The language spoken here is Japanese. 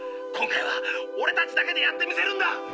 今回はオレたちだけでやってみせるんだ。